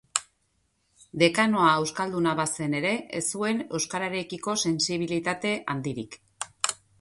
Dekanoa euskalduna bazen ere, ez zuen euskararekiko sentsibilitate handirik.